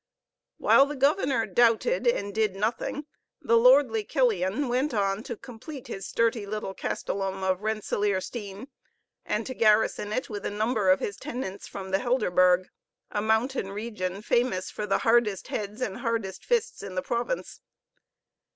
While the governor doubted and did nothing, the lordly Killian went on to complete his sturdy little castellum of Rensellaersteen, and to garrison it with a number of his tenants from the Helderberg, a mountain region famous for the hardest heads and hardest fists in the province.